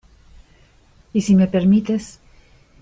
y si me permites...